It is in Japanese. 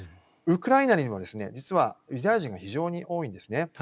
ウクライナには実はユダヤ人が非常に多いんですね。